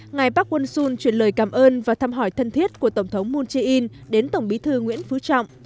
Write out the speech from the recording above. ngài park won sun chuyển lời cảm ơn và thăm hỏi thân thiết của tổng thống moon jae in đến tổng bí thư nguyễn phú trọng